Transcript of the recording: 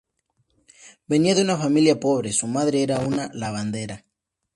Venía de una familia pobre: su madre era una "lavandera".